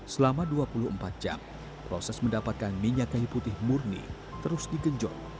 selama dua puluh empat jam proses mendapatkan minyak kayu putih murni terus digenjot